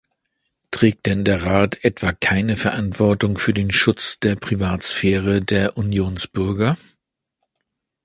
Trägt denn der Rat etwa keine Verantwortung für den Schutz der Privatsphäre der Unionsbürger?